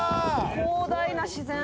広大な自然！